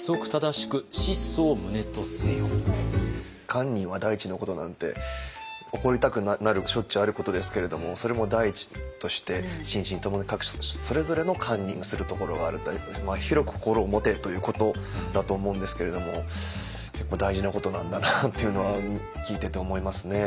「堪忍は第一のこと」なんて怒りたくなることなんていうのはしょっちゅうあることですけれどもそれも第一として心身ともに各種それぞれの堪忍をするところがあるという広く心を持てということだと思うんですけれども結構大事なことなんだなっていうのは聞いてて思いますね。